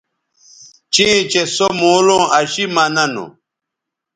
چیئں چہء سو مولوں اشی مہ ننوں